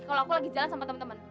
kalau aku lagi jalan sama temen temen